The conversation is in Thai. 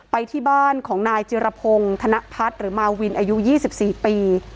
ไปที่บ้านของนายจิรพงศ์ธนพัฒน์หรือมาวินอายุ๒๔ปี